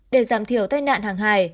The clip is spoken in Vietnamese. để giảm thiểu tai nạn hàng hài